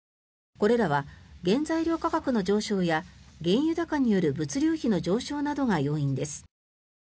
これらは原材料価格の上昇や原油高による物流費の上昇などが要因です。